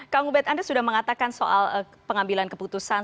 kak ngubet anda sudah mengatakan soal pengambilan keputusan